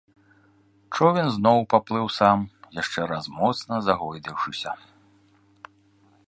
Човен зноў паплыў сам, яшчэ раз моцна загойдаўшыся.